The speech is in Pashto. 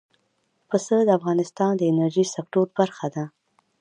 پسه د افغانستان د انرژۍ سکتور برخه ده.